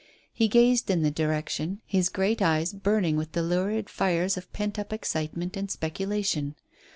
He gazed in the direction, his great eyes burning with the lurid fires of pent up excitement and speculation.